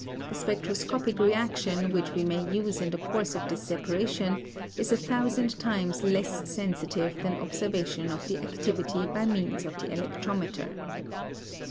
The spectroscopic reaction which we may use in the course of this separation is a thousand times less sensitive than observation of the activity by means of the electrometer.